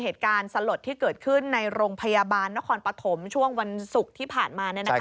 เหตุการณ์สลดที่เกิดขึ้นในโรงพยาบาลนครปฐมช่วงวันศุกร์ที่ผ่านมา